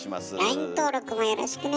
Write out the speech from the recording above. ＬＩＮＥ登録もよろしくね。